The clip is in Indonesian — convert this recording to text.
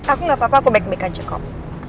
aku gak apa apa aku back back aja kok